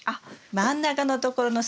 真ん中のところの筋。